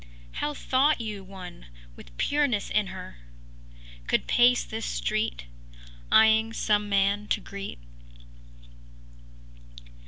How thought you one with pureness in her Could pace this street Eyeing some man to greet?